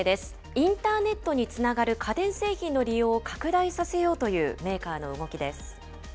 インターネットにつながる家電製品の利用を拡大させようというメーカーの動きです。